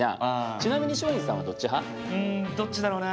ちなみにうんどっちだろうな。